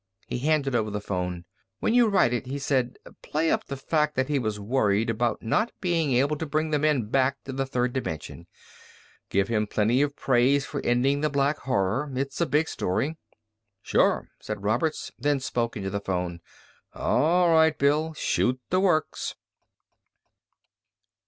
He handed over the phone. "When you write it," he said, "play up the fact he was worried about not being able to bring the men back to the third dimension. Give him plenty of praise for ending the Black Horror. It's a big story." "Sure," said Roberts, then spoke into the phone: "All right, Bill, shoot the works."